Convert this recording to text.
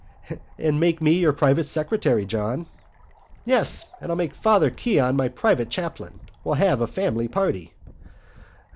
"And make me your private secretary, John." "Yes. And I'll make Father Keon my private chaplain. We'll have a family party."